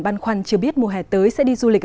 băn khoăn chưa biết mùa hè tới sẽ đi du lịch